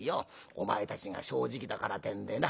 お前たちが正直だからってんでな